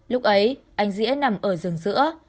lúc ấy anh dĩa nằm ở rừng giữa